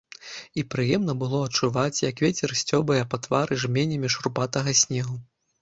І прыемна было адчуваць, як вецер сцёбае па твары жменямі шурпатага снегу.